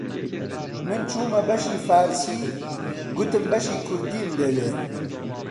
من چوومە بەشی فارسی، گوتم بەشی کوردیم دەوێ